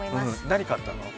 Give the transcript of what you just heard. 何買ったの？